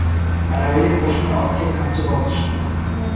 Aravaga qo‘shilgan otga qamchi bosishdi.